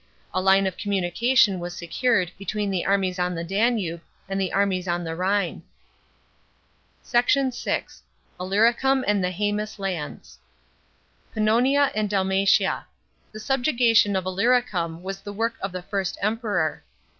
A line uf communication was secured between the armies on the Danube and the armies on the Rhine. SBOT. VL — ILLYRICUM AND THE HMMUB LANDS. § 11. PANNONIA AND DALMATIA. — The subjugation of Illyricum was the work of the first Emperor.